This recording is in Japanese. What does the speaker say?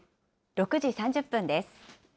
６時３０分です。